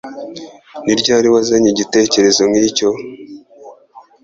Ni ryari wazanye igitekerezo nkicyo?